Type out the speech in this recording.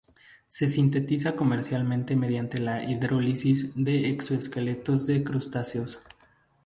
Se sintetiza comercialmente mediante la hidrólisis de exoesqueletos de crustáceos.